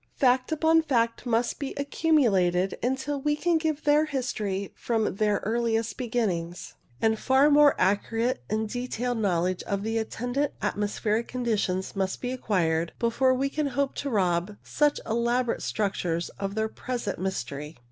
Fact upon fact must be accumulated until we can give their history from their earliest beginnings ; and far more accurate and detailed knowledge of the atten dant atmospheric conditions must be acquired before we can hope to rob such elaborate structures of their present mystery.